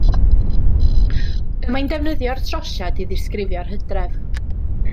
Y mae'n defnyddio'r trosiad i ddisgrifio'r hydref